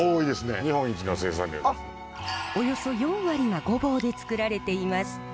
およそ４割が御坊でつくられています。